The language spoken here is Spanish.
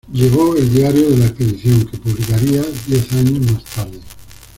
Llevó el diario de la expedición, que publicaría diez años más tarde.